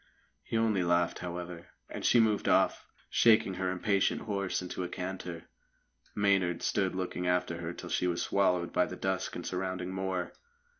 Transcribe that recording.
He only laughed, however, and she moved off, shaking her impatient horse into a canter. Maynard stood looking after her till she was swallowed by the dusk and surrounding moor.